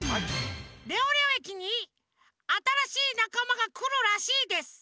レオレオ駅にあたらしいなかまがくるらしいです。